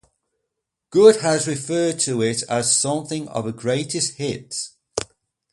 Good has referred to it as something of a greatest hits.